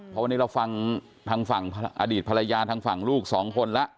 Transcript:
เพราะวันนี้เราฟังทางฝั่งอดีตภรรยาทางฝั่งลูกสองคนแล้ว